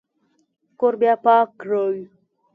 کور بیا پاک کړئ